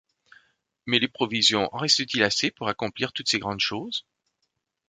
Mais les provisions, en reste-t-il assez pour accomplir toutes ces grandes choses ?